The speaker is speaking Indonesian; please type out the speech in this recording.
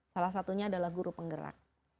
salah satunya adalah guru penggerak